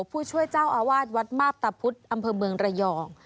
ผู้ช่วยเจ้าอาวาสวัดมาพตะพุธอำเภอเมืองระยอง